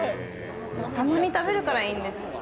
たまに食べるからいいんです。